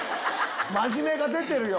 真面目が出てるよ！